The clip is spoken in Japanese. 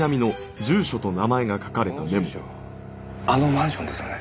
この住所あのマンションですよね。